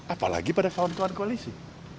apalagi pada kawan kawan koalisi